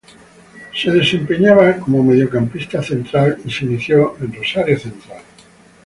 Se desempeñaba como mediocampista central, y se inició en Rosario Central.